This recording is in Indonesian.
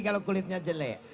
kalau kulitnya jelek